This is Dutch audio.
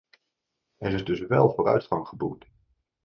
Er is dus wel vooruitgang geboekt.